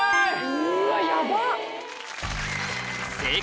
うわヤバっ！